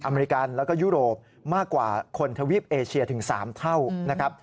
อเมริกันแล้วก็ยุโรปมากกว่าคนทวีปเอเชียถึง๓เท่านะครับ